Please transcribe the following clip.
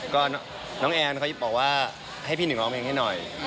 ก็น้องแอนเขาบอกว่าให้พี่หนึ่งร้องเพลงให้หน่อย